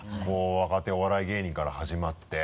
若手お笑い芸人から始まって。